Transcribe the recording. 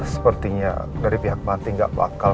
sepertinya dari pihak banting gak bakal